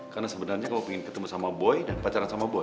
karena sebenarnya kamu pengen ketemu sama boy dan pacaran sama boy